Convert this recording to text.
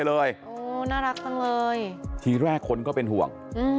น่ารักจังเลยทีแรกคนก็เป็นห่วง